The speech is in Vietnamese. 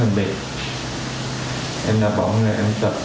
em đạp bóng em tập thì nó cũng đều mất sức rất là nhanh